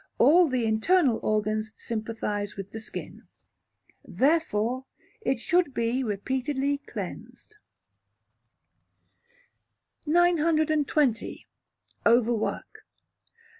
All the internal organs sympathize with the skin. Therefore, it should be repeatedly cleansed. 920. Over Work.